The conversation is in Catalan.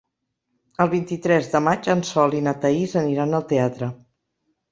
El vint-i-tres de maig en Sol i na Thaís aniran al teatre.